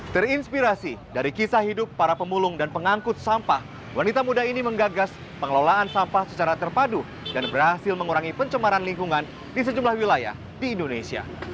terinspirasi dari kisah hidup para pemulung dan pengangkut sampah wanita muda ini menggagas pengelolaan sampah secara terpadu dan berhasil mengurangi pencemaran lingkungan di sejumlah wilayah di indonesia